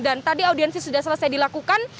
dan tadi audiensi sudah selesai dilakukan